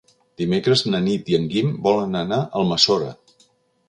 Dimecres na Nit i en Guim volen anar a Almassora.